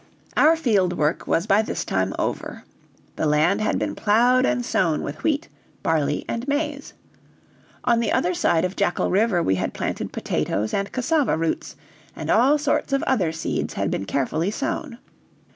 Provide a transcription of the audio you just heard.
Our field work was by this time over. The land had been plowed and sown with wheat, barley, and maize. On the other side of Jackal River we had planted potatoes and cassava roots, and all sorts of other seeds had been carefully sown.